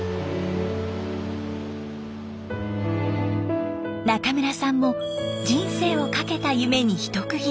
中村さんも人生をかけた夢に一区切り。